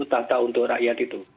tata untuk rakyat itu